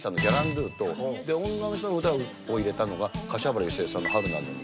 女の人の歌を入れたのが柏原芳恵さんの『春なのに』。